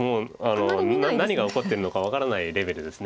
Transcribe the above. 何が起こってるのか分からないレベルです